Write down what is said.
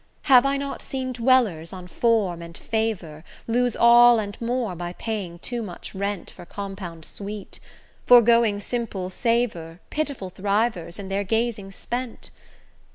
Have I not seen dwellers on form and favour Lose all and more by paying too much rent For compound sweet; forgoing simple savour, Pitiful thrivers, in their gazing spent?